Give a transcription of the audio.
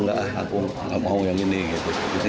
aku gak mau yang ini gitu